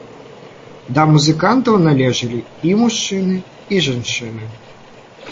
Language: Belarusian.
Да музыкантаў належылі і мужчыны і жанчыны.